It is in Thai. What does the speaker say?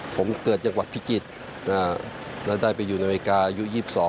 ผมเกิดจังหวัดภิกิษฐ์และได้ไปอยู่ในวิการ์อายุ๒๒